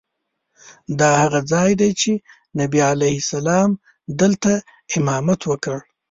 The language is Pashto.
دا هغه ځای دی چې نبي علیه السلام دلته امامت وکړ.